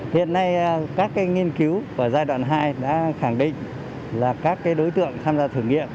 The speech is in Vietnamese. hiện nay các nghiên cứu của giai đoạn hai đã khẳng định là các đối tượng tham gia thử nghiệm